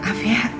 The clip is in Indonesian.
tante mau makan